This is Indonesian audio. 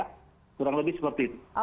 kurang lebih seperti itu